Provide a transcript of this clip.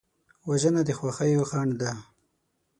وژنه د خوښیو خنډ ده